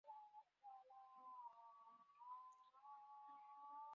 হাসপাতালে ঝরনা বেগম কিছুটা সুস্থ হলেও আবদুল হান্নানের অবস্থার আরও অবনতি হয়।